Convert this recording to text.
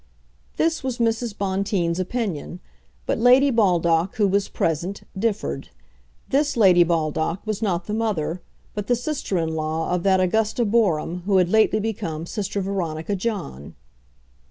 This was Mrs. Bonteen's opinion; but Lady Baldock, who was present, differed. This Lady Baldock was not the mother, but the sister in law of that Augusta Boreham who had lately become Sister Veronica John.